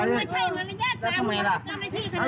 แล้วทำไมล่ะ